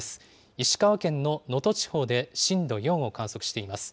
石川県の能登地方で震度４を観測しています。